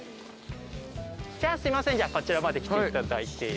すいませんじゃあこちらまで来ていただいて。